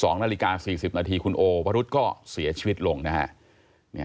๒นาฬิกา๔๐นาทีคุณโอวรุษก็เสียชีวิตลงนะฮะ